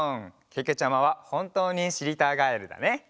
けけちゃまはほんとうにしりたガエルだね。